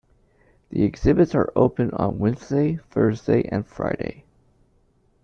The exhibits are open on Wednesday, Thursday, and Friday.